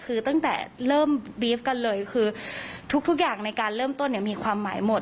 คือตั้งแต่เริ่มบีฟกันเลยคือทุกอย่างในการเริ่มต้นเนี่ยมีความหมายหมด